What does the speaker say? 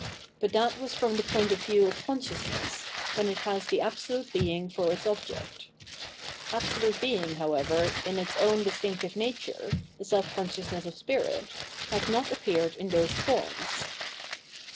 But that was from the point of view of consciousness, when it has the Absolute Being for its object. Absolute Being, however, in its own distinctive nature, the Self consciousness of Spirit, has not appeared in those forms.